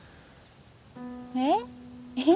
えっ？